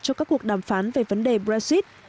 cho các cuộc đàm phán về vấn đề brexit